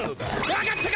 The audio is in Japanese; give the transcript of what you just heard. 分かったか！